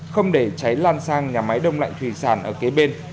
không để cháy lan sang nhà máy đông lạnh thủy sản ở kế bên